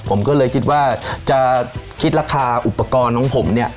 ผมก็เลยคิดว่าจะคิดราคาอุปกรณ์ของผมเนี่ย